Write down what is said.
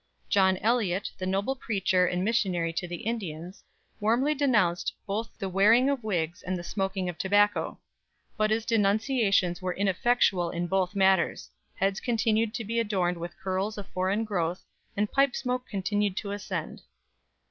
John Eliot, the noble preacher and missionary to the Indians, warmly denounced both the wearing of wigs and the smoking of tobacco. But his denunciations were ineffectual in both matters heads continued to be adorned with curls of foreign growth, and pipe smoke continued to ascend.